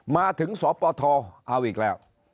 มาถึงสปทเอาอีกแล้ว